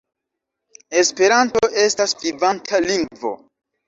Esperanto estas vivanta lingvo.